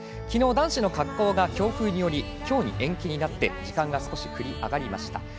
昨日、男子の滑降が強風により今日に延期になって時間が少し繰り上がりました。